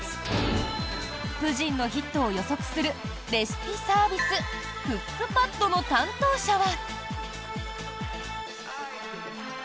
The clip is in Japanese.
プヂンのヒットを予測するレシピサービスクックパッドの担当者は。